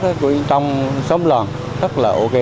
rồi quên cũng sinh hoạt